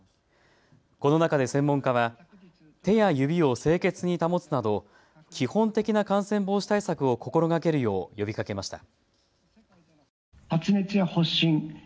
この中で専門家は手や指を清潔に保つなど基本的な感染防止対策を心がけるよう呼びかけました。